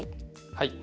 はい。